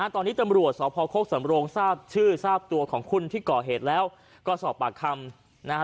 ตอนนี้ตำรวจสพโคกสำโรงทราบชื่อทราบตัวของคุณที่ก่อเหตุแล้วก็สอบปากคำนะฮะ